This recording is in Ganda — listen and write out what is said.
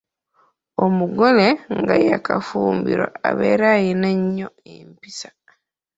Omugole nga yaakafumbirwa abeera alina nnyo empisa.